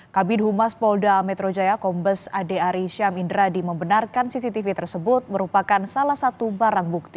kabin humas polda metro jaya kombes ade arisham indradi membenarkan cctv tersebut merupakan salah satu barang bukti